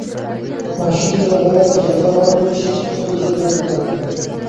ماشوم ته باید اجازه ورکړل شي چې خپله ژبه وکاروي.